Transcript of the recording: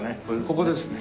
ここですね。